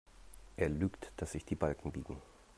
Er lügt, dass sich die Balken biegen.